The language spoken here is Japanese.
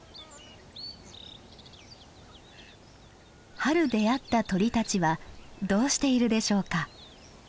春出会った鳥たちはどうしているでしょうか。